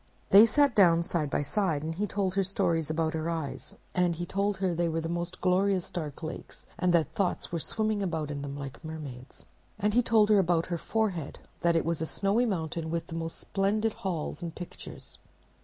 They sat down side by side, and he told her stories about her eyes; and he told her they were the most glorious dark lakes, and that thoughts were swimming about in them like mermaids. And he told her about her forehead; that it was a snowy mountain with the most splendid halls and pictures.